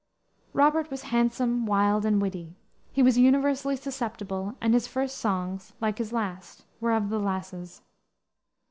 Robert was handsome, wild, and witty. He was universally susceptible, and his first songs, like his last, were of "the lasses."